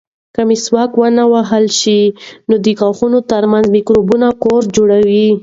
که مسواک ونه وهل شي، نو د غاښونو ترمنځ مکروبونه کور جوړوي.